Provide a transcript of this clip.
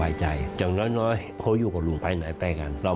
อาหารว่ากำไรเยอะไหม